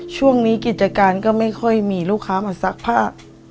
ช่วงนี้กิจการก็ไม่ค่อยมีลูกค้ามาซักผ้า